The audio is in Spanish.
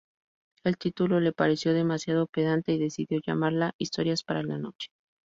El título le pareció demasiado pedante y decidió llamarla "Historias para la noche".